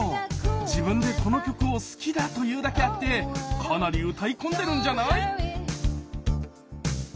自分でこの曲を好きだと言うだけあってかなり歌い込んでるんじゃない？